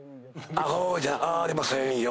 「アホじゃあーりませんよ